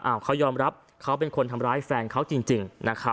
เขายอมรับเขาเป็นคนทำร้ายแฟนเขาจริง